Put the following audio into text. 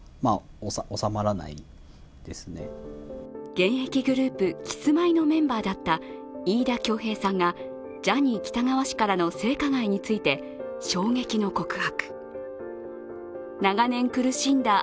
現役グループ、キスマイのメンバーだった飯田恭平さんがジャニー喜多川氏からの性加害について衝撃の告白。